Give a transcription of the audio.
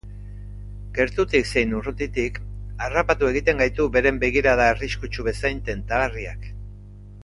Gertutik zein urrutitik harrapatu egiten gaitu beren begirada arriskutsu bezain tentagarriak.